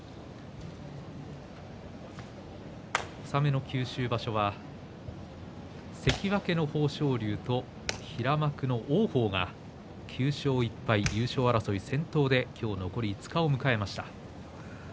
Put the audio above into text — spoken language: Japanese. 納めの九州場所は関脇の豊昇龍と平幕の王鵬が９勝１敗、優勝争い先頭で今日残り５日を迎えました。